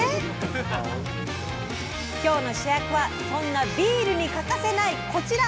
今日の主役はそんなビールに欠かせないこちら。